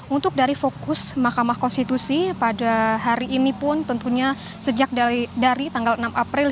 untuk dari fokus mahkamah konstitusi pada hari ini pun tentunya sejak dari tanggal enam april